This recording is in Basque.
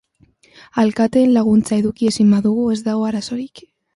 Alkateen laguntza eduki ezin badugu, ez dago arazorik.